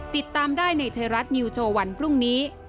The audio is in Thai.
ติดตามได้ในไทยรัฐนิวโชว์วันพรุ่งนี้